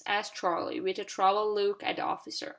asked Charlie, with a troubled look at the officer.